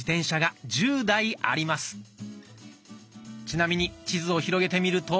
ちなみに地図を広げてみると。